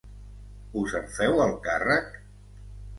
¿Us en feu el càrrec?